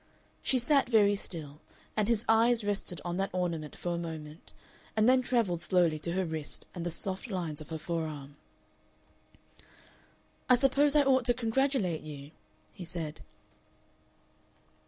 She sat very still, and his eyes rested on that ornament for a moment, and then travelled slowly to her wrist and the soft lines of her forearm. "I suppose I ought to congratulate you," he said.